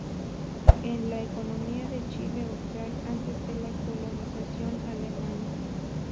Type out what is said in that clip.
En "La Economía de Chile Austral antes de la Colonización Alemana.